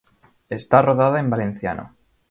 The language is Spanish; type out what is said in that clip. Está rodada en valenciano.